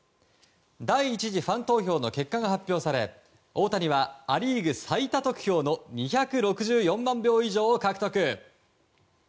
第１次ファン投票の結果が発表され大谷はア・リーグ最多得票の２６４万票以上を獲得。